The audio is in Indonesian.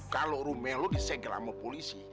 kalau rumah lo di segel sama polisi